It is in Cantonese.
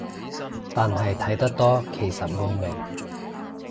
但係睇得多其實會明